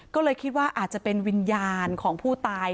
ก็เลยคิดว่าอาจจะเป็นวิญญาณของผู้ตาย